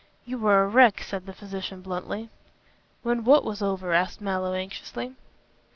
"You were a wreck," said the physician bluntly. "When what was over?" asked Mallow, anxiously.